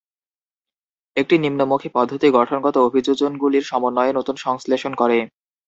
একটি নিম্নমুখী পদ্ধতি গঠনগত অভিযোজনগুলির সমন্বয়ে নতুনের সংশ্লেষণ করে।